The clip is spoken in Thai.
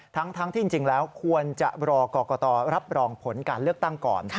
ทั้งที่จริงแล้วควรจะรอกรกตรับรองผลการเลือกตั้งก่อน